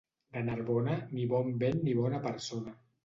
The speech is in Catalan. De Narbona, ni bon vent ni bona persona.